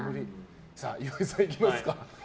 岩井さん、いきますか。